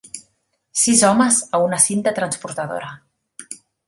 Sis homes a una cinta transportadora.